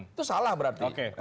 itu salah berarti